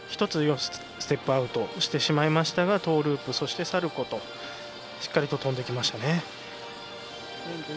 １つ、ステップアウトしてしまいましたがトーループ、そしてサルコーとしっかり跳んできましたね。